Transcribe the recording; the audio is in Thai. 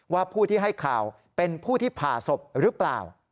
ผู้ที่ให้ข่าวเป็นผู้ที่ผ่าศพหรือเปล่า